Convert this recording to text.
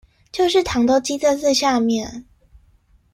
就是糖都積在最下面